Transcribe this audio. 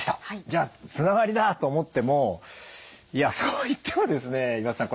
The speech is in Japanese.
じゃあつながりだ！と思ってもいやそう言ってもですね岩田さん